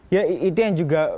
ya itu yang juga